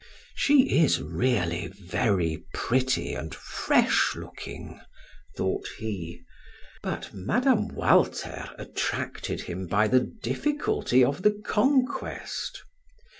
"She is really very pretty and fresh looking," thought he. But Mme. Walter attracted him by the difficulty of the conquest.